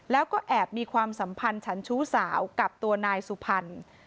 แล้วก็แอบมีความสัมพันธ์ฉันชู้สาวกับตัวนายสุพรรณ